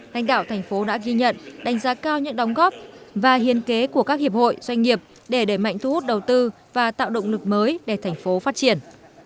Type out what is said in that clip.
lãnh đạo thành phố đã ghi nhận đánh giá cao những đóng góp và hiên kế của các hiệp hội doanh nghiệp để đẩy mạnh thu hút đầu tư và tạo động lực mới để thành phố phát triển